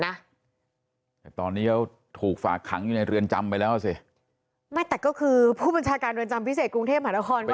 น่ะตอนนี้ก็ถูกฝากคั้งลุยเรียนจำไปแล้วสิมาแต่ก็ครูผู้ปัญชาการเรือนจำพิเศษกรุงเทพภารพรรณ